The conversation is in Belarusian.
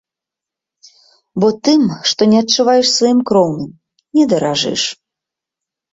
Бо тым, што не адчуваеш сваім кроўным, не даражыш.